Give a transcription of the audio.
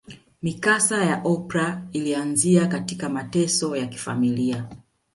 Mikasa ya Oprah ilianzia katika mateso ya kifamilia